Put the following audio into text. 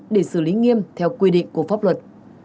để xử lý nghiêm theo quy định của pháp luật